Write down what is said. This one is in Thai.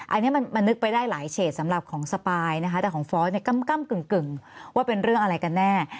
อันนี้มันนึกไปได้หลายเฉดสำหรับของสปายนะคะแต่ของฟอสเนี่ยกำกึ่งว่าเป็นเรื่องอะไรกันแน่